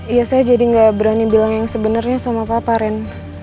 iya saya jadi nggak berani bilang yang sebenarnya sama papa ren